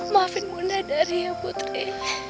maafin bunda dari ya putri